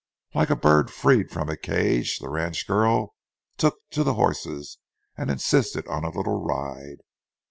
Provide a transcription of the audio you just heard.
Like a bird freed from a cage, the ranch girl took to the horses and insisted on a little ride.